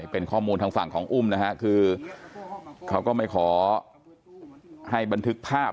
เป็นข้อมูลทางฝั่งของอุ้มนะฮะคือเขาก็ไม่ขอให้บันทึกภาพ